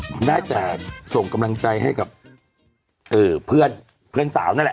มันได้แต่ส่งกำลังใจให้กับเพื่อนสาวนั่นแหละ